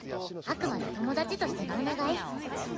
あくまで友達としてのお願い。